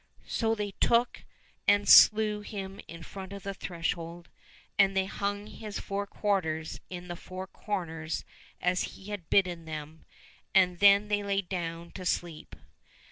So they took and slew him in front of the threshold, and they hung his four quarters in the four corners as he had bidden them, and then they laid them down to sleep.